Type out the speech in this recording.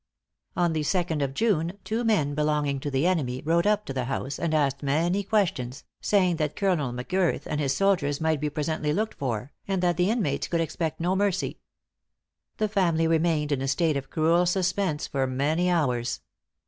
On the second of June, two men belonging to the enemy, rode up to the house, and asked many questions, saying that Colonel M'Girth and his soldiers might be presently looked for, and that the inmates could expect no mercy. The family remained in a state of cruel suspense for many hours.